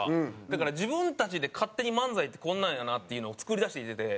だから自分たちで勝手に漫才ってこんなんやなっていうのを作り出してきてて。